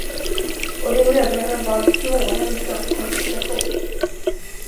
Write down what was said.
Och vi mödrar har valt småhem framför koncentration!